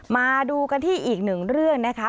มาดูกันที่อีกหนึ่งเรื่องนะคะ